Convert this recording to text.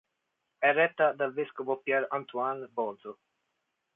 È retta dal vescovo Pierre-Antoine Bozo.